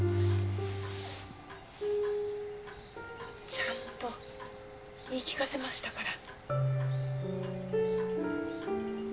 ちゃんと言い聞かせましたから。